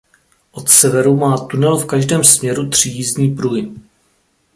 Od severu má tunel v každém směru tři jízdní pruhy.